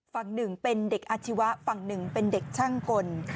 ฝั่งหนึ่งเป็นเด็กอาชีวะฝั่งหนึ่งเป็นเด็กช่างกล